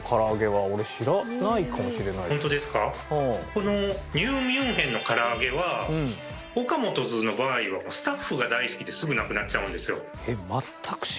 このニューミュンヘンの唐揚はＯＫＡＭＯＴＯ’Ｓの場合はスタッフが大好きですぐなくなっちゃうんですよ。